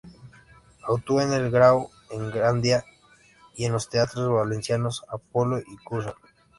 Actuó en el Grao, en Gandía y en los teatros valencianos Apolo y Kursaal.